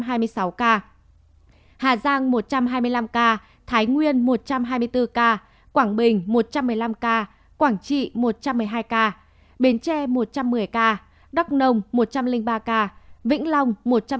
hà giang một trăm hai mươi năm ca thái nguyên một trăm hai mươi bốn ca quảng bình một trăm một mươi năm ca quảng trị một trăm một mươi hai ca bến tre một trăm một mươi ca đắk nông một trăm linh ba ca vĩnh long một trăm ba mươi